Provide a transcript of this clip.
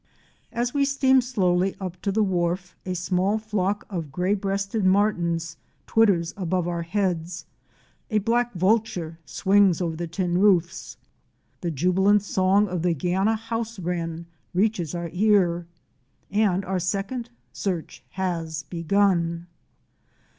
As we steam slowly up to the wharf a small flock of Gray breasted Martins" twitters above our heads, a Black Vulture*! swings over the tin roofs, the jubilant song of a Guiana House Wren™ reaches our ear, and our Second Search has begun.